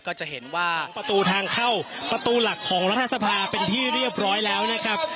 ก็จะเห็นว่าประตูทางเข้าประตูหลักของรัฐสภาเป็นที่เรียบร้อยแล้วนะครับ